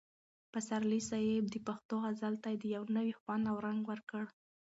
پسرلي صاحب د پښتو غزل ته یو نوی خوند او رنګ ورکړ.